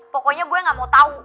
pokoknya gue gak mau tahu